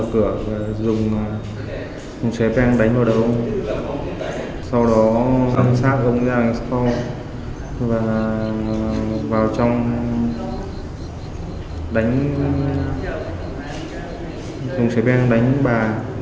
chúng sẽ đánh bà